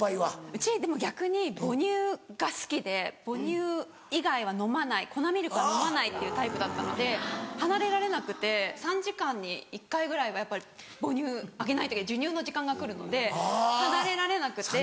うちでも逆に母乳が好きで母乳以外は飲まない粉ミルクは飲まないっていうタイプだったので離れられなくて３時間に１回ぐらいはやっぱり母乳あげないといけない授乳の時間が来るので離れられなくて。